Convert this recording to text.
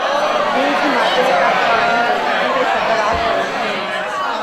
یہ جماعتیں کب قائم ہوئیں، ان کے سربراہ کون ہیں۔